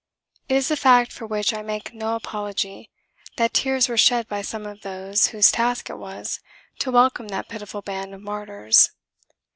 It is a fact, for which I make no apology, that tears were shed by some of those whose task it was to welcome that pitiful band of martyrs.